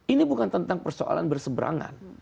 ini bukan tentang persoalan berseberangan